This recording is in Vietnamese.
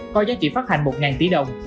có giá trị phát hành một tỷ đồng